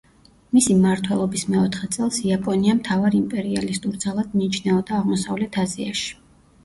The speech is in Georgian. მისი მმართველობის მეოთხე წელს იაპონია მთავარ იმპერიალისტურ ძალად მიიჩნეოდა აღმოსავლეთ აზიაში.